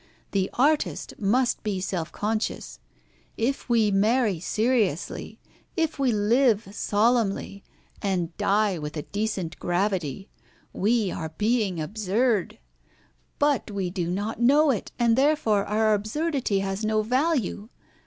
The artist must be self conscious. If we marry seriously, if we live solemnly, and die with a decent gravity, we are being absurd; but we do not know it, and therefore our absurdity has no value.